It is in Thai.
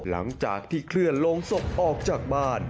หลังจากที่เคลื่อนลงศพออกจากบ้าน